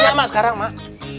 iya mak sekarang mak